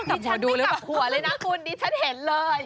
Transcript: ดิฉันดูกลับหัวเลยนะคุณดิฉันเห็นเลย